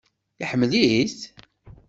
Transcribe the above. Iḥemmel-it?